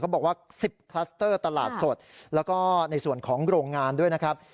บอกว่า๑๐คลัสเตอร์ตลาดสดแล้วก็ในส่วนของโรงงานด้วยนะครับ